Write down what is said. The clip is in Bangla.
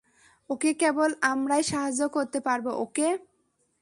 ওকে কেবল আমরাই সাহায্য করতে পারব, ওকে?